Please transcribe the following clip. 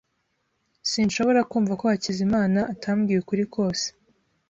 Sinshobora kumva ko Hakizimana atambwiye ukuri kose.